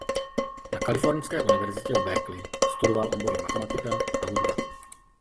Na Kalifornské univerzitě v Berkeley studoval obory matematika a hudba.